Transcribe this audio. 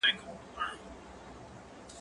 زه اوس پاکوالي ساتم